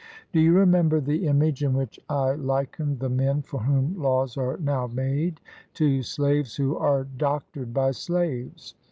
Do you remember the image in which I likened the men for whom laws are now made to slaves who are doctored by slaves?